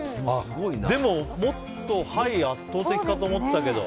でももっと、はいが圧倒的かと思ったけど。